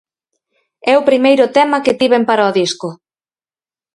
É o primeiro tema que tiven para o disco.